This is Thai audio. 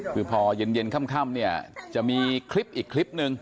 คือพอเย็นค่ำเนี่ยจะมีคลิปอีกคลิปนึง